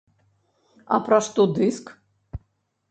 А пра што дыск?